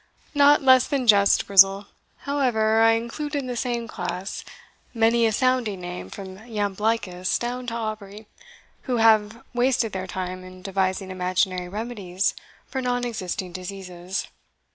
"Not less than just, Grizel: however, I include in the same class many a sounding name, from Jamblichus down to Aubrey, who have wasted their time in devising imaginary remedies for non existing diseases.